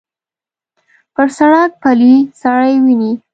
پر سړک پلی سړی وینې.